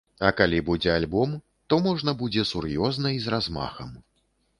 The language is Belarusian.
А калі будзе альбом, то можна будзе сур'ёзна і з размахам.